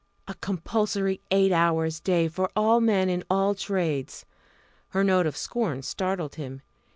A compulsory Eight Hours' Day for all men in all trades!" Her note of scorn startled him.